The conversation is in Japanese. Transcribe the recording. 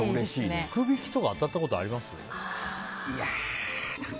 福引とか当たったことあります？